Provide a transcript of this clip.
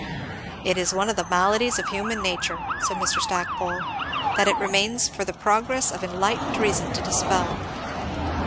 "It is one of the maladies of human nature," said Mr. Stackpole, "that it remains for the progress of enlightened reason to dispel."